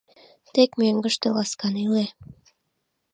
Тек мӧҥгыштӧ ласкан иле...